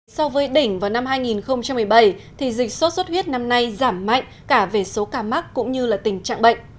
so với đỉnh vào năm hai nghìn một mươi bảy thì dịch sốt xuất huyết năm nay giảm mạnh cả về số ca mắc cũng như là tình trạng bệnh